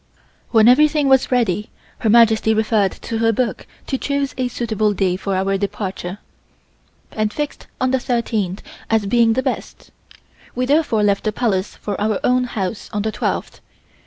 When everything was ready Her Majesty referred to her book to choose a suitable day for our departure, and fixed on the thirteenth as being the best. We therefore left the Palace for our own house on the twelfth.